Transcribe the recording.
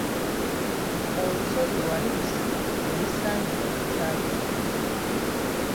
Olusozi Walusi lwe lusangibwa ku kyalo kyaffe.